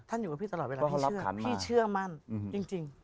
ท่านอยู่กับพี่ตลอดเวลาพี่เชื่อพี่เชื่อมั่นจริง